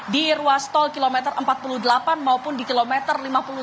di ruas tol kilometer empat puluh delapan maupun di kilometer lima puluh tujuh